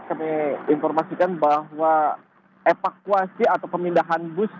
evakuasi atau pemindahan bus